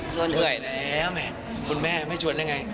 ชวนเผื่อยแล้วแหมคุณแม่ไม่ชวนยังไง